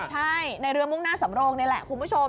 ใช่ในเรือมุ่งหน้าสำโรงนี่แหละคุณผู้ชม